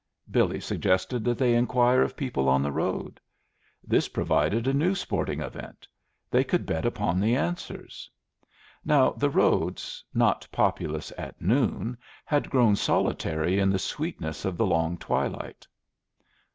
Billy suggested that they inquire of people on the road. This provided a new sporting event: they could bet upon the answers. Now, the roads, not populous at noon, had grown solitary in the sweetness of the long twilight.